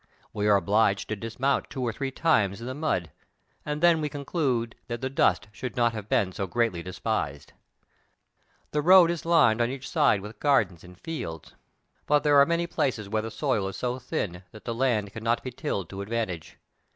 We are obliged to dismount two or three times in the mud, and then we conclude that the dust should not have been so greatly despised. The road is lined on each side with gardens and fields, but there are many places where the soil is so thin that the land cannot be tilled to advantage.